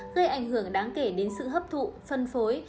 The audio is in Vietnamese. gây ảnh hưởng đáng kể đến sự hấp thụ phân phối